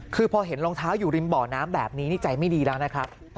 คือพอเห็นรองเท้าอยู่ริมบ่อน้ำแบบนี้นี่ใจไม่ดีแล้วนะครับ